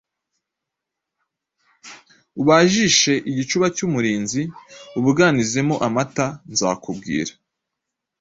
Ubajishe igicuba cy'umurinzi, ubuganizemo amata, nzakubwira."